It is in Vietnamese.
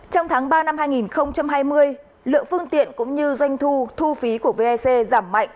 trong tháng ba năm hai nghìn hai mươi lượng phương tiện cũng như doanh thu thu phí của vec giảm mạnh